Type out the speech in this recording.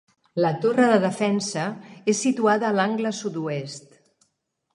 La torre de defensa és situada a l'angle sud-oest.